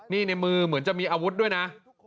นี่ในมือเหมือนจะมีอาวุธด้วยนะ